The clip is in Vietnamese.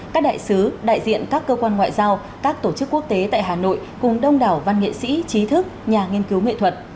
các đại sứ đại diện các cơ quan ngoại giao các tổ chức quốc tế tại hà nội cùng đông đảo văn nghệ sĩ trí thức nhà nghiên cứu nghệ thuật